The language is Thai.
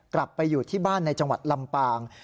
กลับไปอยู่ที่บ้านในจังหวัดลำปาง